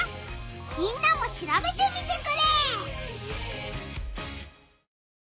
みんなも調べてみてくれ！